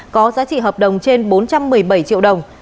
có giá trị hợp đồng trên bốn trăm một mươi bảy triệu đồng